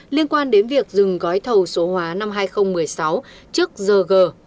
liên quan đến việc dừng gói thầu số hóa năm hai nghìn một mươi sáu trước giờ